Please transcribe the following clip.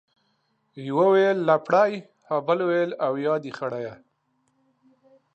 يوه ويل لپړى ، ها بل ويل ، اويا دي خړيه.